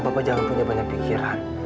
bapak jangan punya banyak pikiran